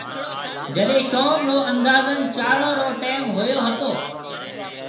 جڏي شوم رو اندازن چارون رو ٽيم هوئيو هتو۔